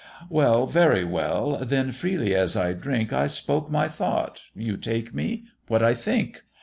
"Well, very well then freely as I drink I spoke my thought you take me what I think.